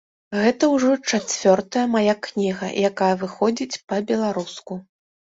Гэта ўжо чацвёртая мая кніга, якая выходзіць па-беларуску.